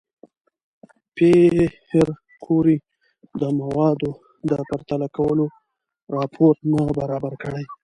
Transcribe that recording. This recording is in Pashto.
پېیر کوري د موادو د پرتله کولو راپور نه برابر کړ؟